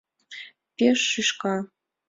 Пеш шӱшка